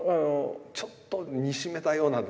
ちょっと煮しめたようなですね。